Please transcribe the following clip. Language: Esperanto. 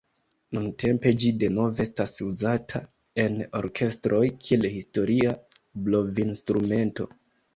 Nuntempe ĝi denove estas uzata en orkestroj kiel historia blovinstrumento.